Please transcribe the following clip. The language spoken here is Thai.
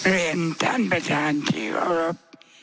เรียนท่านประชาญชีวรบ